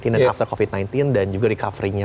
dan after covid sembilan belas dan juga recovery nya